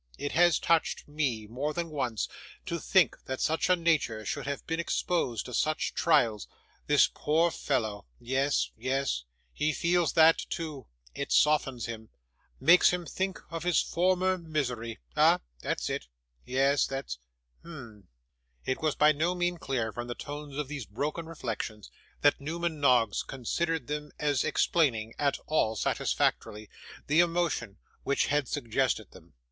'It has touched ME, more than once, to think such a nature should have been exposed to such trials; this poor fellow yes, yes, he feels that too it softens him makes him think of his former misery. Hah! That's it? Yes, that's hum!' It was by no means clear, from the tone of these broken reflections, that Newman Noggs considered them as explaining, at all satisfactorily, the emotion which had suggested them.